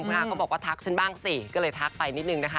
คุณอาก็บอกว่าทักฉันบ้างสิก็เลยทักไปนิดนึงนะคะ